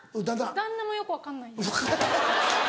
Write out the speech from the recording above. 旦那もよく分かんないんです。